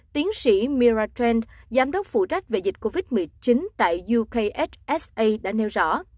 tiến sĩ mira trent giám đốc phụ trách về dịch covid một mươi chín tại ukhsa đã nêu rõ